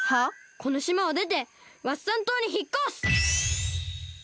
このしまをでてワッサン島にひっこす！